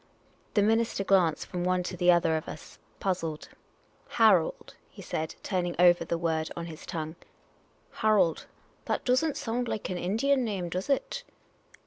The minister glanced from one to the other of us, puzzled. " Harold ?" he said, turning over the word on his tongue. " Harold ? That does n't .sound like an Indian name, does it?